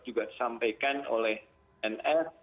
juga disampaikan oleh ns